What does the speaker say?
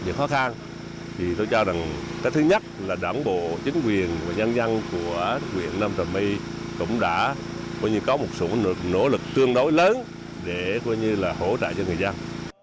tôi cho rằng cái thứ nhất là đảng bộ chính quyền và nhân dân của huyện nam trà my cũng đã có một số nỗ lực tương đối lớn để hỗ trợ cho người dân